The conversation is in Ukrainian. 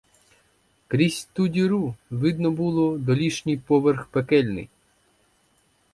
Крізь ту діру видно було долішній поверх пекельний.